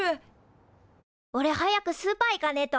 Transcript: おれ早くスーパー行かねえと。